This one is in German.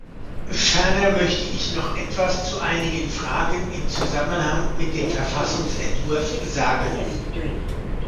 Ferner möchte ich noch etwas zu einigen Fragen im Zusammenhang mit dem Verfassungsentwurf sagen.